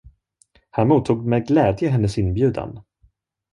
Han mottog med glädje hennes inbjudan.